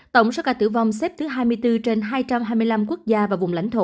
tổng số ca tử vong xếp thứ hai mươi bốn trên hai trăm hai mươi năm quốc gia và vùng lãnh thổ